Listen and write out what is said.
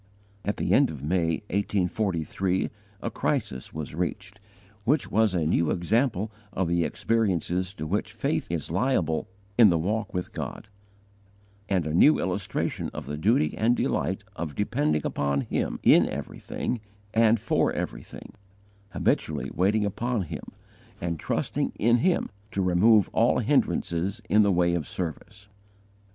At the end of May, 1843, a crisis was reached, which was a new example of the experiences to which faith is liable in the walk with God; and a new illustration of the duty and delight of depending upon Him in everything and for everything, habitually waiting upon Him, and trusting in Him to remove all hindrances in the way of service.